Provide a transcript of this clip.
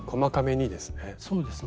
そうですね。